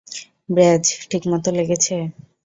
ব্র্যায, ঠিকমত লেগেছে?